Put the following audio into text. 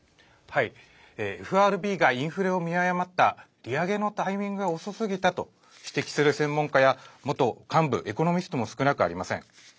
ＦＲＢがインフレを見誤った利上げのタイミングが遅すぎたと指摘する専門家や元幹部エコノミストも少なくありません。